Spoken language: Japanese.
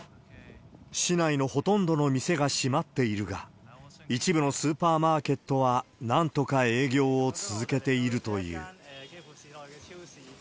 市内のほとんどの店が閉まっているが、一部のスーパーマーケットはなんとか営業を続けているという。